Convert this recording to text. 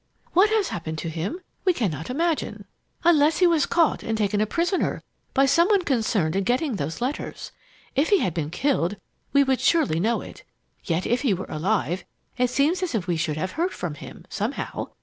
What has happened to him, we cannot imagine, unless he was caught and taken a prisoner by some one concerned in getting those letters. If he had been killed, we would surely know it. Yet if he were alive, it seems as if we should have heard from him, somehow.